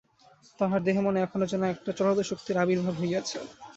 তাহার দেহে মনে এখনও যেন একটা চলৎশক্তির আবির্ভাব হইয়াছে।